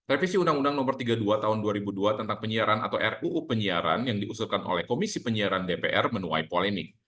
revisi undang undang no tiga puluh dua tahun dua ribu dua tentang penyiaran atau ruu penyiaran yang diusulkan oleh komisi penyiaran dpr menuai polemik